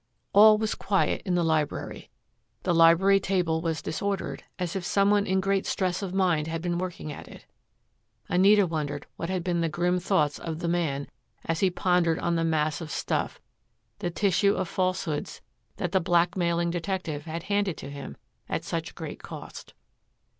All was quiet in the library. The library table was disordered, as if some one in great stress of mind had been working at it. Anita wondered what had been the grim thoughts of the man as he pondered on the mass of stuff, the tissue of falsehoods that the blackmailing detective had handed to him at such great cost.